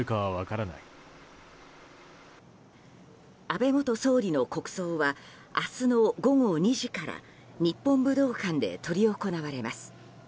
安倍元総理の国葬は明日の午後２時から日本武道館で執り行われます。